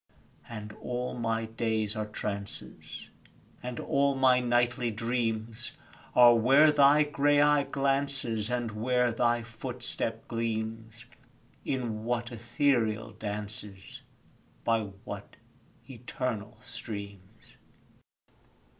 And all my days are trances, And all my nightly dreams Are where thy grey eye glances, And where thy footstep gleams In what ethereal dances, By what eternal streams.